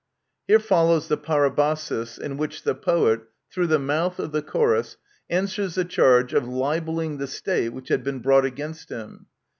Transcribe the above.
Here follows the Parabasis, in which the poet, through the mouth of the Chorus, answers the charge of libelling the State which had been brought against him.